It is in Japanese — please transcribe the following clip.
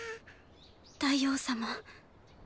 大王様。